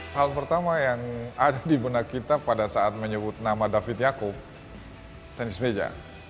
hal pertama yang ada di benak kita pada saat menyebut nama david yakub tenis meja